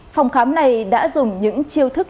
phòng khám này đã dùng những chiêu thức